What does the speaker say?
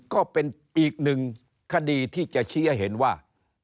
ก็เป็นอีกหนึ่งคดีที่จะชี้ให้เห็นว่า